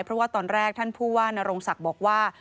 เพราะว่าตอนแรกท่านผู้ว่านโรงศักดิ์บอกว่า